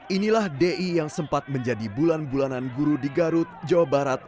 inilah di yang sempat menjadi bulan bulanan guru di garut jawa barat